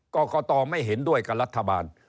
กรกตไม่เห็นด้วยกับรัฐบาล